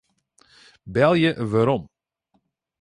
Belje werom.